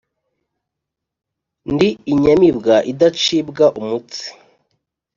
ndi inyamibwa idacibwa umutsi